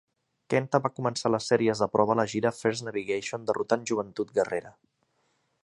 Kenta va començar les sèries de prova a la gira "First Navigation", derrotant Juventud Guerrera.